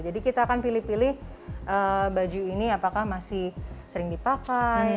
kita akan pilih pilih baju ini apakah masih sering dipakai